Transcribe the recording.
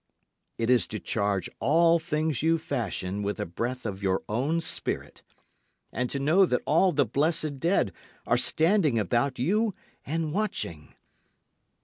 It is to charge all things you fashion with a breath of your own spirit, And to know that all the blessed dead are standing about you and watching.